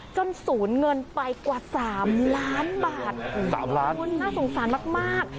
จนศูนย์เงินไปกว่าสามล้านบาทสามล้านน่าสงสารมากมาก